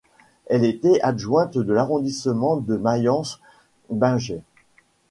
Elle était adjointe de l’arrondissement de Mayence-Bingen.